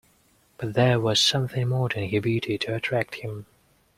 But there was something more than her beauty to attract him.